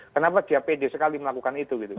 kenapa dia pede sekali melakukan itu gitu